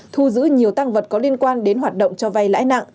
thu giữ nhiều tăng vật có liên quan đến hoạt động cho vay lãi nặng